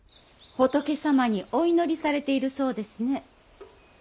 仏様にお祈りされているそうですね。